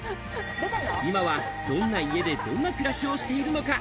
今はどんな家でどんな暮らしをしているのか？